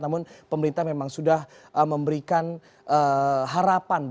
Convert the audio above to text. namun pemerintah memang sudah memberikan harapan